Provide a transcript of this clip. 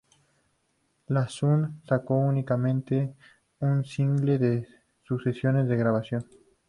La Sun sacó únicamente un single de sus sesiones de grabación.